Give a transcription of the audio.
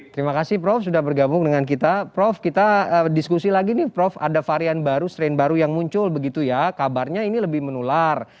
terima kasih prof sudah bergabung dengan kita prof kita diskusi lagi nih prof ada varian baru strain baru yang muncul begitu ya kabarnya ini lebih menular